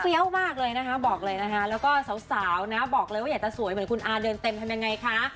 มากเลยนะคะบอกเลยนะคะแล้วก็สาวนะบอกเลยว่าอยากจะสวยเหมือนคุณอาเดินเต็มทำยังไงคะ